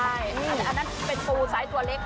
อันนั้นเป็นปูไซส์ตัวเล็ก